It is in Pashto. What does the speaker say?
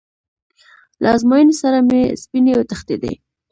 له ازموینې سره مې سپینې وتښتېدې.